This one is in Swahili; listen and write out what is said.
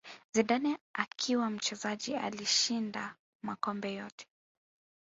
Zidane akiwa mchezaji alishinda makombe yote